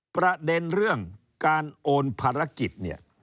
ประเด็นเรื่องการโอนภารกิจเนี่ย